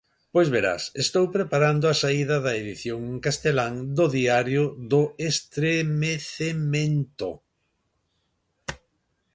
Pois verás, estou preparando a saída da edición en castelán do Diario do Estremecemento.